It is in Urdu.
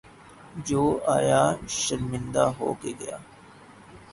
جو آیا شرمندہ ہو کے گیا۔